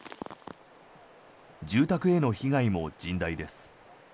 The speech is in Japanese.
住宅への被害も甚大です。